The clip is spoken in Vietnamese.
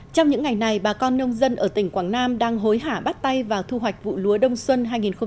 trong những ngày này bà con nông dân ở tỉnh quảng nam đang hối hả bắt tay vào thu hoạch vụ lúa đông xuân hai nghìn một mươi hai nghìn hai mươi